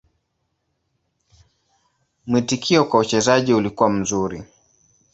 Mwitikio kwa uchezaji ulikuwa mzuri.